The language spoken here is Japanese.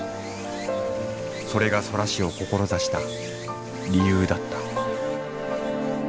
それが空師を志した理由だった。